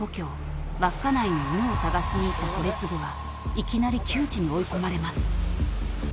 稚内に犬を探しに行った惟二はいきなり窮地に追い込まれます］